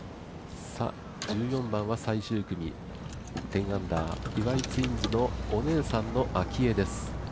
１４番は最終組１０アンダー岩井ツインズ、お姉さんの明愛です